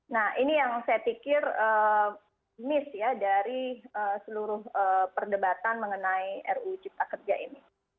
nah ini yang saya pikir miss ya dari seluruh perdebatan mengenai ruu cipta kerja ini